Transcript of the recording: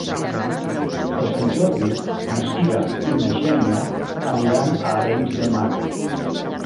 Per Sant Jordi na Cira i na Xènia aniran a Arenys de Mar.